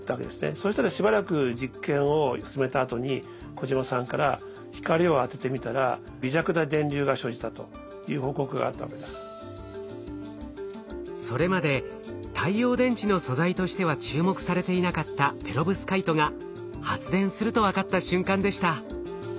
そうしたらしばらく実験を進めたあとに小島さんからそれまで太陽電池の素材としては注目されていなかったペロブスカイトが発電すると分かった瞬間でした。